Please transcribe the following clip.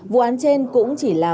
vụ án trên cũng chỉ là